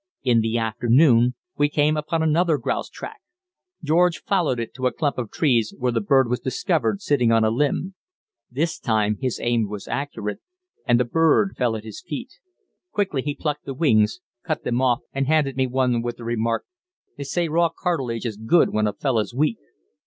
In the afternoon we came upon another grouse track. George followed it to a clump of trees, where the bird was discovered sitting on a limb. This time his aim was accurate, and the bird fell at his feet. Quickly he plucked the wings, cut them off and handed me one with the remark: "They say raw partridge is good when a fellus' weak."